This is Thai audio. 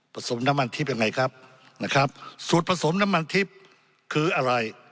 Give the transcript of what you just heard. สมน้ำมันทิพย์ยังไงครับนะครับสูตรผสมน้ำมันทิพย์คืออะไร